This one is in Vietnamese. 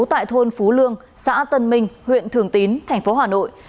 tại thôn phú lương xã tân minh huyện thường tín tp hà nội